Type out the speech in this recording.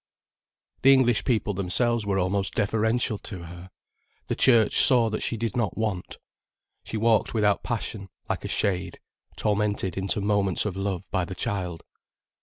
The English people themselves were almost deferential to her, the Church saw that she did not want. She walked without passion, like a shade, tormented into moments of love by the child.